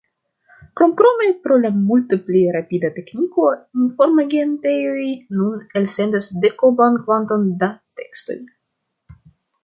Kromkrome pro la multe pli rapida tekniko, informagentejoj nun elsendas dekoblan kvanton da tekstoj.